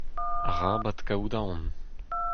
Arabat kaout aon.